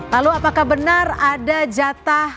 lalu apakah benar ada jatah